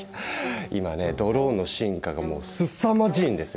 今ねドローンの進化がもうすさまじいんですよ。